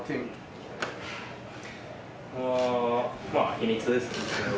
秘密ですね。